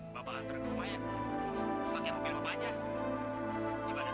bapak terima ya pakai mobil aja gimana